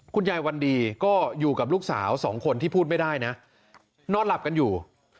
คุณยายวันดีก็อยู่กับลูกสาวสองคนที่พูดไม่ได้นะนอนหลับกันอยู่